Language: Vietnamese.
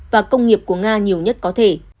và công nghiệp của nga nhiều nhất có thể